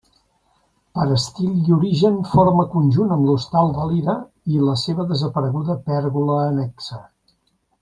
Per d’estil i origen forma conjunt amb l’Hostal Valira i la seva desapareguda pèrgola annexa.